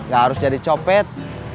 gak harus jadi copet